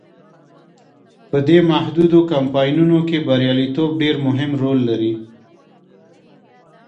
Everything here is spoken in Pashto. په دې محدودو کمپاینونو کې بریالیتوب ډیر مهم رول لري.